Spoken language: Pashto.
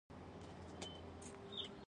چې چېرې به ځو او کوم ځای کې به اوسو.